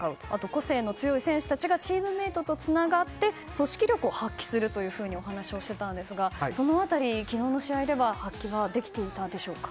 個性の強い選手たちがチームメートとつながって組織力を発揮するというお話をしていたんですがその辺り、昨日の試合では発揮ができていたでしょうか？